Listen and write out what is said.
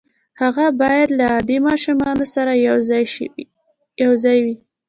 هغه بايد له عادي ماشومانو سره يو ځای وي.